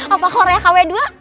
apa korea kw dua